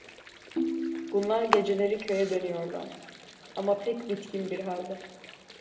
Bunlar geceleri köye dönüyorlar; ama pek bitkin bir halde.